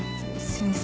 先生